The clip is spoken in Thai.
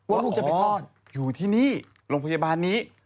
ลูกจะไปคลอดอยู่ที่นี่โรงพยาบาลนี้